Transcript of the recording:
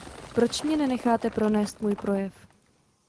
Proč mě nenecháte pronést můj projev?